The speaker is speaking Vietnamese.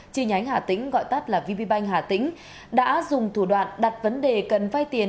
chi nhánh hà tĩnh gọi tắt là vb bank hà tĩnh đã dùng thủ đoạn đặt vấn đề cần vay tiền